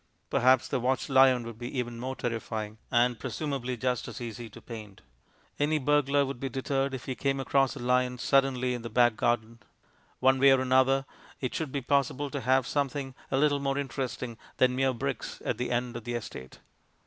Perhaps a watchlion would be even more terrifying and, presumably, just as easy to paint. Any burglar would be deterred if he came across a lion suddenly in the back garden. One way or another, it should be possible to have something a little more interesting than mere bricks at the end of the estate.